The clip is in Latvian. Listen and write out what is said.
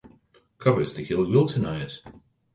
Kāpēc tik ilgi vilcinājies?